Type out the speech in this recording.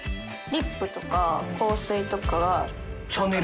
リップとか香水とか。